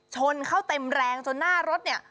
ชนเข้าเต็มแรงจนหน้ารถเนี่ย